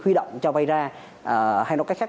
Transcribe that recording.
huy động cho bay ra hay nói cách khác